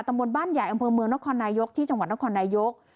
มนต์บ้านใหญ่อำเภอเมืองนครนายกที่จังหวัดนครนายก